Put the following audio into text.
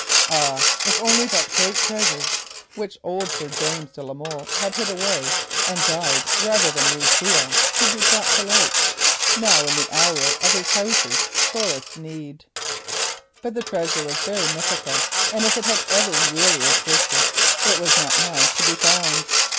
Ah, if only that great treasure which old Sir James de la Molle had hid away and died rather than reveal, could be brought to light, now in the hour of his house's sorest need! But the treasure was very mythical, and if it had ever really existed it was not now to be found.